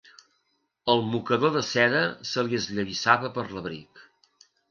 El mocador de seda se li esllavissava per l'abric.